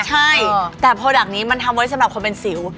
ใช่แต่โปรดักต์นี้มันทำไว้สำหรับคนเป็นสิว